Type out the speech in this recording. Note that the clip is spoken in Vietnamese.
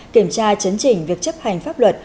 kiểm tra chấn chỉnh việc chấp hành pháp luật